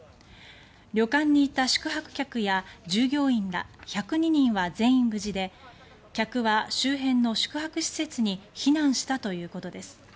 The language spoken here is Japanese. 旅館にいた宿泊客や従業員ら１０２人は全員無事で客は周辺の宿泊施設に避難したということです。